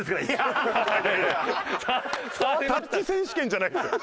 タッチ選手権じゃないですよ。